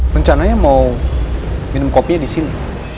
rencananya mau minum kopinya disini